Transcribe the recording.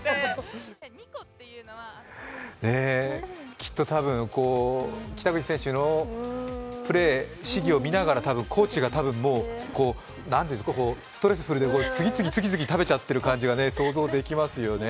きっと多分北口選手のプレー、試技を見ながらたぶんコーチがもう、ストレスフルで次々食べちゃってる感じが想像できますよね。